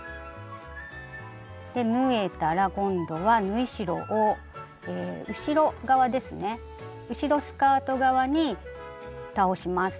縫えたら今度は縫い代を後ろ側ですね後ろスカート側に倒します。